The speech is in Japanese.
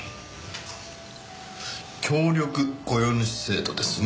協力雇用主制度ですね。